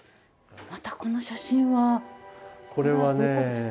またこの写真はこれはどこですか？